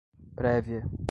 prévia